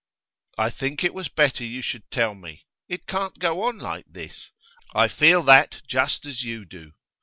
'I think it was better you should tell me. It can't go on like this; I feel that just as you do.